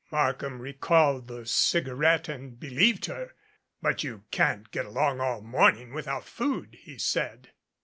Markham recalled the cigarette and believed her. "But you can't get along all morning without food," he said.